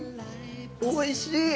おいしい。